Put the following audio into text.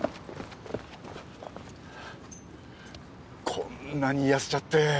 こんなに痩せちゃって。